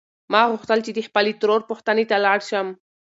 ما غوښتل چې د خپلې ترور پوښتنې ته لاړ شم.